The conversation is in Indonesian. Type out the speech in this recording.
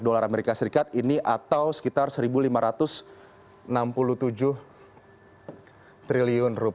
dolar amerika serikat ini atau sekitar rp satu lima ratus enam puluh tujuh triliun